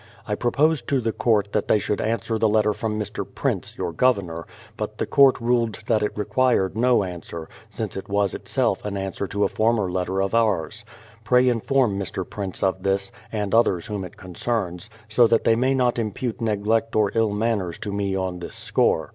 I proposed to the court that they should answer the letter from Mr. Prince, your Governor ; but the court ruled that it required no answer, since it was itself an answer to a former letter of ours. Pray inform Mr. Prince of this, and others whom it concerns, so that they may not impute neglect or ill manners to me on this score.